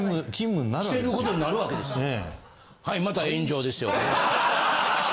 はい。